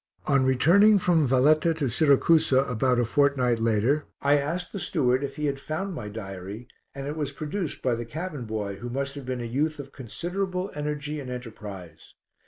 On returning from Valletta to Siracusa about a fortnight later, I asked the steward if he had found my diary and it was produced by the cabin boy who must have been a youth of considerable energy and enterprise.